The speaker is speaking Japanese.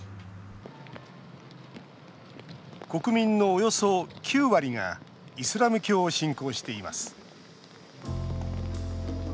国民のおよそ９割がイスラム教を信仰しています。